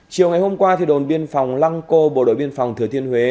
chiều ngày hôm qua đồn biên phòng lang co bộ đội biên phòng thừa thiên huế